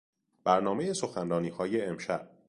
برنامهی سخنرانیهای امشب